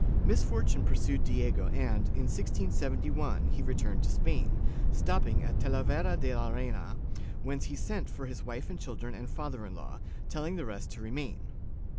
Misfortune pursued Diego and, in 1671, he returned to Spain, stopping at Talavera de la Reina, whence he sent for his wife and children and father in law, telling the rest to remain.